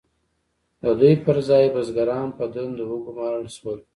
د دوی پر ځای بزګران په دندو وګمارل شول.